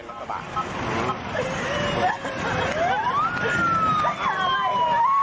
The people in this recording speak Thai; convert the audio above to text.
หนูกองเขาขายแล้ว